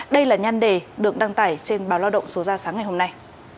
đây là nhan đề được đăng tải trên báo lao động số ra sáng ngày hôm nay